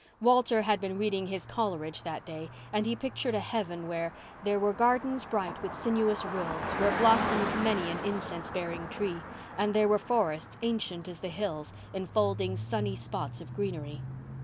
Walter had been reading his Coleridge that day, and he pictured a heaven where "There were gardens bright with sinuous rills Where blossomed many an incense bearing tree, And there were forests ancient as the hills Enfolding sunny spots of greenery."